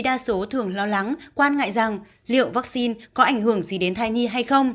đa số thường lo lắng quan ngại rằng liệu vaccine có ảnh hưởng gì đến thai nhi hay không